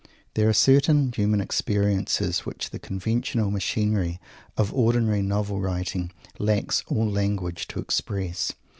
There are certain human experiences which the conventional machinery of ordinary novel writing lacks all language to express.